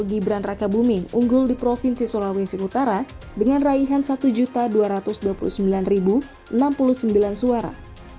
gibran raka buming unggul di provinsi sulawesi utara dengan raihan satu dua ratus dua puluh sembilan enam puluh sembilan suara